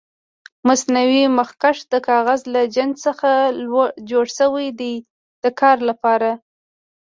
مصنوعي مخکش د کاغذ له جنس څخه جوړ شوي دي د کار لپاره.